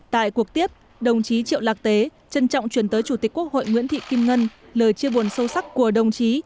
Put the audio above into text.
tại cuộc tiếp đồng chí triệu lạc tế trân trọng chuyển tới chủ tịch quốc hội nguyễn thị kim ngân lời chia buồn sâu sắc của đồng chí